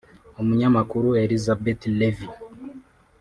umunyamakuru Élisabeth Lévy